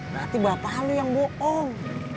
berarti bapak halu yang bohong